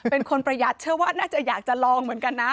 ประหยัดเชื่อว่าน่าจะอยากจะลองเหมือนกันนะ